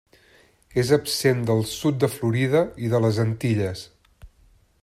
És absent del sud de Florida i de les Antilles.